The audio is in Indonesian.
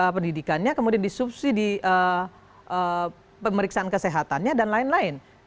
pendidikannya kemudian disubsidi pemeriksaan kesehatannya dan lain lain